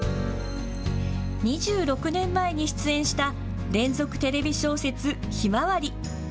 ２６年前に出演した連続テレビ小説、ひまわり。